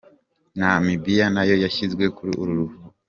Namibia nayo yashyizwe kuri uru.